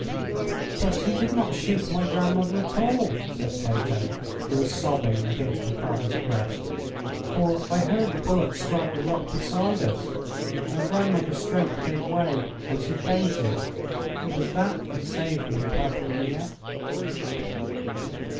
"But he did not shoot my grandmother at all," said Tato, who was sobbing against her father's breast; "for I heard the bullet strike the rock beside us. My grandmother's strength gave way, and she fainted. It was that that saved me, padre mia."